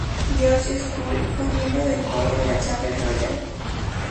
Georges School, fue miembro del coro de la Chapel Royal.